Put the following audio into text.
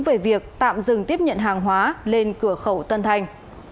về việc tạm dừng tiếp nhận hàng hóa lên cửa khẩu tân thanh